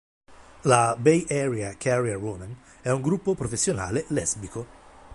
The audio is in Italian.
La Bay Area Career Women è un gruppo professionale lesbico.